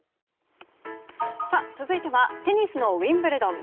続いてはテニスのウィンブルドン。